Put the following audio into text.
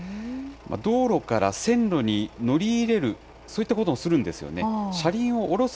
道路から線路に乗り入れる、そういったこともするんですよね。